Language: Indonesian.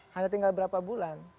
hanya tinggal berapa bulan